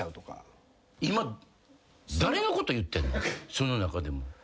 その中でも。